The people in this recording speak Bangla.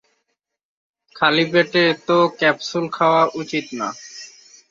খালি পেটে এত ক্যাপসুল খাওয়া উচিৎ না।